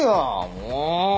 もう！